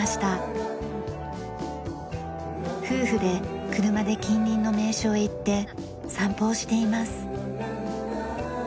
夫婦で車で近隣の名所へ行って散歩をしています。